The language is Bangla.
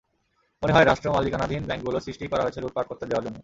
মনে হয়, রাষ্ট্রমালিকানাধীন ব্যাংকগুলো সৃষ্টিই করা হয়েছে লুটপাট করতে দেওয়ার জন্য।